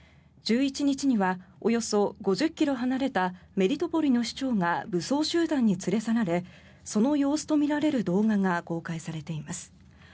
１１日にはおよそ５０ｋｍ離れたメリトポリの市長が武装集団に連れ去られその様子とみられる動画が公開されています。